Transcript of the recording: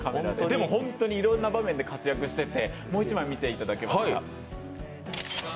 でも本当にいろんな場面で活躍していて、もう１枚見ていただけますか？